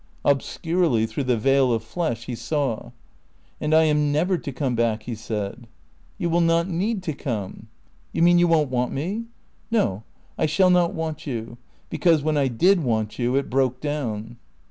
Obscurely, through the veil of flesh, he saw. "And I am never to come back?" he said. "You will not need to come." "You mean you won't want me?" "No. I shall not want you. Because, when I did want you it broke down."